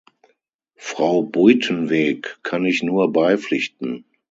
Frau Buitenweg kann ich nur beipflichten.